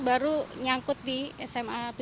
baru nyangkut di sma tujuh puluh